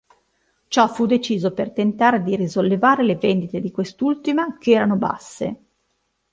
Ciò fu deciso per tentare di risollevare le vendite di quest'ultima, che erano basse.